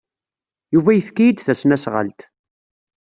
Yuba yefka-iyi-d tasnasɣalt.